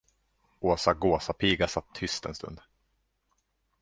Åsa gåsapiga satt tyst en stund.